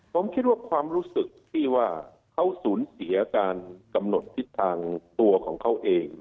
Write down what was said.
ผมคิดว่าความรู้สึกที่ว่าเขาสูญเสียการกำหนดทิศทางตัวของเขาเอง